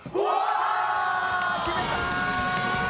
決めたー！